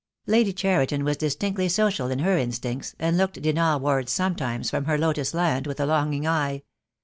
Lady Cheriton was distinctly social in her instincts, and looked Dinard wards sometimes from her lotus land with a longing eye.